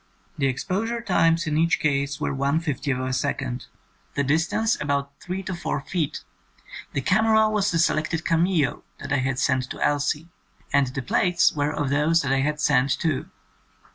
The exposure times in each case were one fiftieth of a second, the distance about three to four feet, the camera was the selected 'Cameo' that I had sent to Elsie, and the plates were of those that I had sent too.